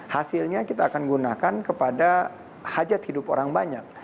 hasilnya kita akan gunakan kepada hajat hidup orang banyak